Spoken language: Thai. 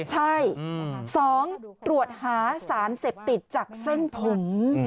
ใช่๒ตรวจหาสารเสพติดจากเส้นผม